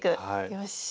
よし。